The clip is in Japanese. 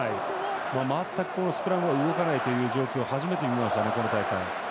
全くスクラムが動かないという状況初めて見ましたね、今大会。